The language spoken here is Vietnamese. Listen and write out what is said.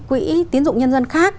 quỹ tiến dụng nhân dân khác